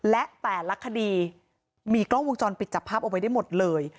และแต่ละคดีมีกล้องวงจรปิดจับภาพเอาไว้ได้หมดเลย